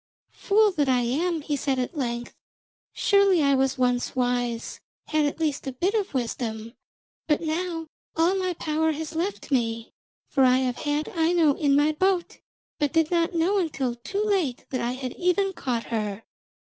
'Fool that I am,' he said at length, 'surely I was once wise, had at least a bit of wisdom, but now all my power has left me. For I have had Aino in my boat, but did not know until too late that I had even caught her.'